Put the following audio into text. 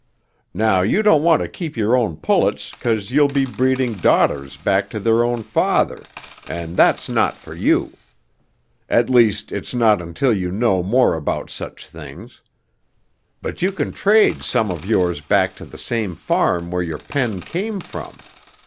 Now you don't want to keep your own pullets 'cause you'll be breeding daughters back to their own father, and that's not for you. At least, it's not until you know more about such things. But you can trade some of yours back to the same farm where your pen came from.